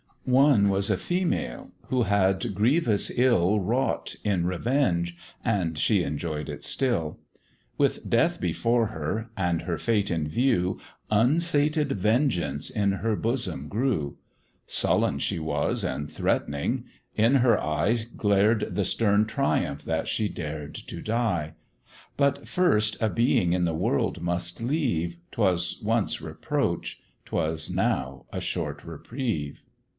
One was a female, who had grievous ill Wrought in revenge, and she enjoy'd it still: With death before her, and her fate in view, Unsated vengeance in her bosom grew: Sullen she was and threat'ning; in her eye Glared the stern triumph that she dared to die: But first a being in the world must leave 'Twas once reproach; 'twas now a short reprieve.